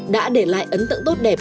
đã để lại ấn tượng tốt đẹp